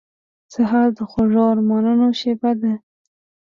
سهار د خوږو ارمانونو شېبه ده.